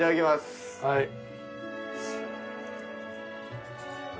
はい。